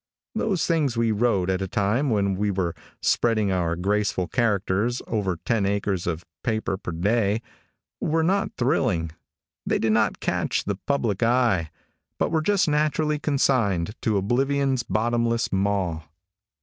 Those things we wrote at a time when we were spreading our graceful characters over ten acres of paper per day, were not thrilling. They did not catch the public eye, but were just naturally consigned to oblivion's bottomless maw.